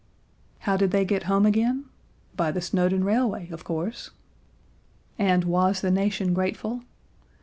How did they get home again? By the Snowdon railway of course. And was the nation grateful?